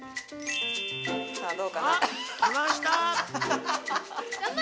さあどうかな？